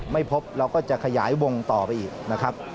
ไม่พบเราก็จะขยายวงต่อไปอีกนะครับ